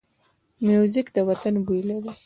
موزیک د وطن بوی لري.